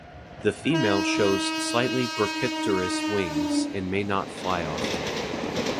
The female shows slightly brachypterous wings and may not fly often.